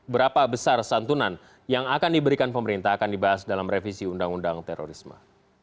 berapa besar santunan yang akan diberikan pemerintah akan dibahas dalam revisi undang undang terorisme